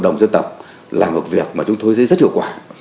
đồng dân tộc là một việc mà chúng tôi thấy rất hiệu quả